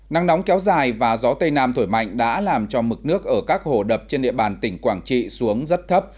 nắng nóng kéo dài và gió tây nam thổi mạnh đã làm cho mực nước ở các hồ đập trên địa bàn tỉnh quảng trị xuống rất thấp